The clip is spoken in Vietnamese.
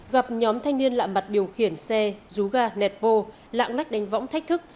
gặp nhóm thanh niên lạ mặt điều khiển xe rú ga nẹt bô lạng lách đánh võng thách thức